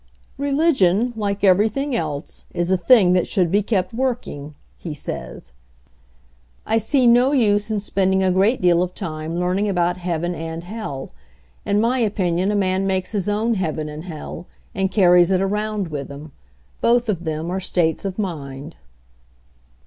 "Religion, like everything else, is a thing that should be kept working," he says. "I see no use in spending a great deal of time learning about 7 8 HENRY FORD'S OWN STORY heaven and hell. In my opinion, a man makes his own heaven and hell and carries it around with him. Both of them are states of mind."